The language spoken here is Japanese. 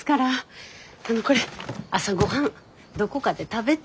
あのこれ朝ごはんどこかで食べて。